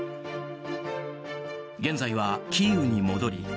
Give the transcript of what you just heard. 現在はキーウに戻り